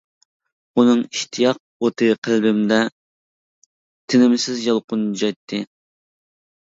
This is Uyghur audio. ئۇنىڭ ئىشتىياق ئوتى قەلبىمدە تىنىمسىز يالقۇنجايتتى.